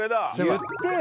言ってよ！